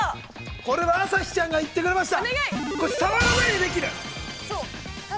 ◆これは朝日ちゃんが言ってくれました。